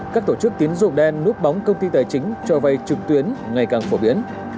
các tổ chức tín dụng đen núp bóng công ty tài chính cho vay trực tuyến ngày càng phổ biến